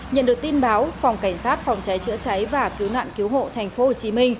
nhận được tin báo phòng cảnh sát phòng cháy chữa cháy và cứu nạn cứu hộ tp hcm